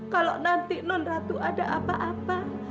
kalau nanti non ratu ada apa apa